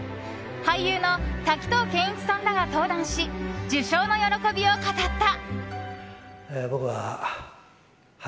俳優の滝藤賢一さんらが登壇し受賞の喜びを語った。